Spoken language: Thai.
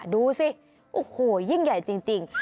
ดูสิโอ้โหยิ่งใหญ่จริง